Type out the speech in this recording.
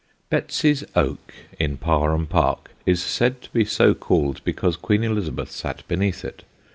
Betsy's Oak in Parham Park is said to be so called because Queen Elizabeth sat beneath it.